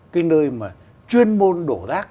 cái nơi mà chuyên môn đổ rác